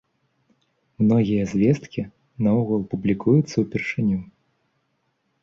Многія звесткі наогул публікуюцца ўпершыню.